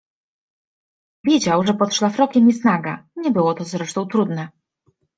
Wiedział, że pod szlafrokiem jest naga, nie było to zresztą trudne.